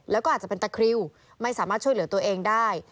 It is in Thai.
แล้วก็อาจจะเป็นตะคริวไม่สามารถช่วยเหลือตัวเองได้